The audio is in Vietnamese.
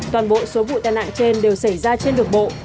toàn bộ số vụ tai nạn trên đều xảy ra trên đường bộ